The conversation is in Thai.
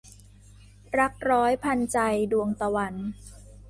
รักร้อยพันใจ - ดวงตะวัน